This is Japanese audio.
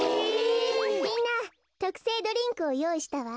みんなとくせいドリンクをよういしたわ。